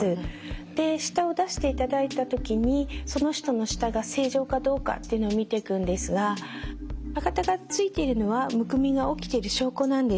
で舌を出していただいた時にその人の舌が正常かどうかっていうのを見ていくんですが歯形がついているのはむくみが起きてる証拠なんです。